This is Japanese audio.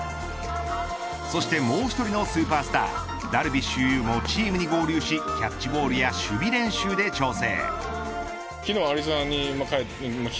そしてもう１人のスーパースターダルビッシュ有もチームに合流しキャッチボールや守備練習で調整。